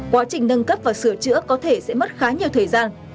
quá trình nâng cấp và sửa chữa có thể sẽ mất khá nhiều thời gian